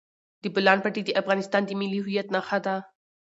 د بولان پټي د افغانستان د ملي هویت نښه ده.